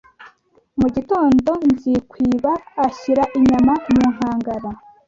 Mu gitondo Nzikwiba ashyira inyama mu nkangara